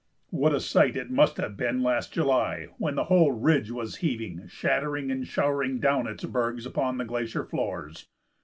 What a sight it must have been last July, when the whole ridge was heaving, shattering, and showering down its bergs upon the glacier floors!